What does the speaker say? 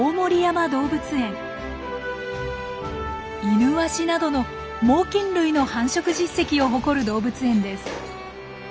イヌワシなどの猛きん類の繁殖実績を誇る動物園です。